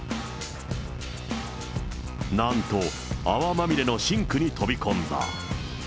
なんと泡まみれのシンクに飛び込んだ。